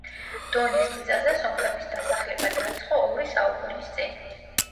დონის მიწაზე სომხების დასახლება დაიწყო ორი საუკუნის წინ.